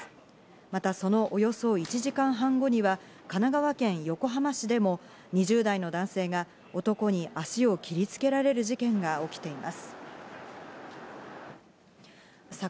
また、そのおよそ１時間半後には神奈川県横浜市でも、２０代の男性が男に足を切りつけられる事件が起きています。